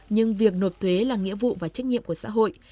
nhưng việc nộp thuế là nghĩa vụ và trách nhiệm của xã hội